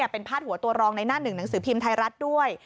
เป็นพาดหัวตัวรองในหน้าหนึ่งหนังสือพิมพ์ไทยรัฐด้วย